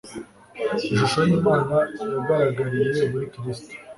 Ishusho y'Imana yagaragariye muri Kristo,